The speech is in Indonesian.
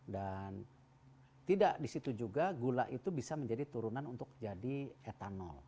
dan tidak disitu juga gula itu bisa menjadi turunan untuk jadi etanol